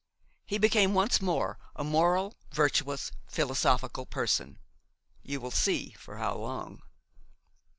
He became once more a moral, virtuous, philosophical person. You will see for how long.